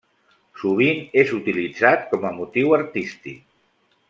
Sovint és utilitzat com a motiu artístic.